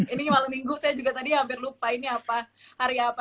ini malam minggu saya juga tadi hampir lupa ini apa hari apa